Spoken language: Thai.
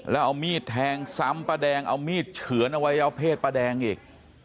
แล้วเอามีดแทงซ้ำป้าแดงเอามีดเฉือนเอาไว้เอาเพศป้าแดงอีก